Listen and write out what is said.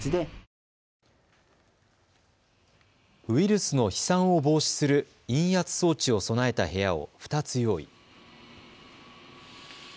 ウイルスの飛散を防止する陰圧装置を備えた部屋を２つ用意。